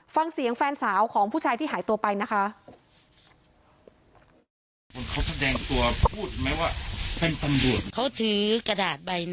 ฟังเสียงแฟนสาวของผู้ชายที่หายตัวไปนะคะ